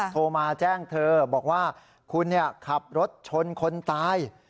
โทรมาแจ้งเธอบอกว่าคุณขับรถชนคนตาย